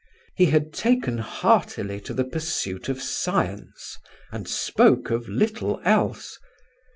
He had taken heartily to the pursuit of science, and spoke of little else.